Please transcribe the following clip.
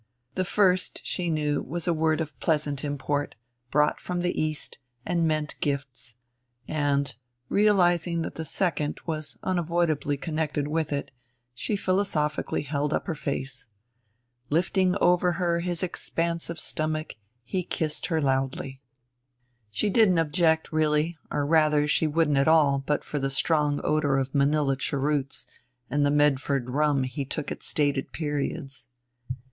The first, she knew, was a word of pleasant import, brought from the East, and meant gifts; and, realizing that the second was unavoidably connected with it, she philosophically held up her face. Lifting her over his expanse of stomach he kissed her loudly. She didn't object, really, or rather she wouldn't at all but for a strong odor of Manilla cheroots and the Medford rum he took at stated periods.